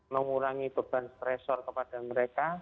mengurangi beban stresor kepada mereka